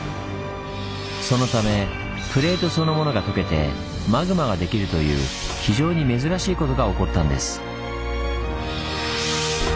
そのためプレートそのものがとけてマグマができるという非常に珍しいことが起こったんです。